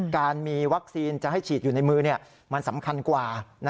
การมีวัคซีนจะให้ฉีดอยู่ในมือมันสำคัญกว่า